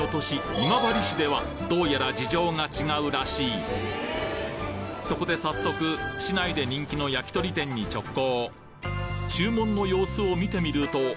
今治市ではどうやら事情が違うらしいそこで早速市内で人気の焼き鳥店に直行！